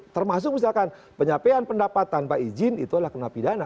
termasuk misalkan penyampaian pendapat tanpa izin itu adalah kena pidana